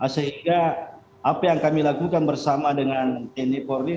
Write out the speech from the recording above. sehingga apa yang kami lakukan bersama dengan tni polri